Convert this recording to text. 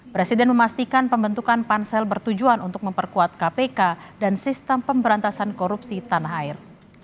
presiden memastikan pembentukan pansel bertujuan untuk memperkuat kpk dan sistem pemberantasan korupsi tanah air